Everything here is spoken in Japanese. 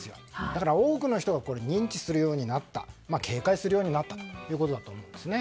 だから多くの人が認知するようになった警戒するようになったということだと思います。